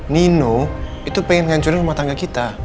nino itu pengen ngancurin rumah tangga kita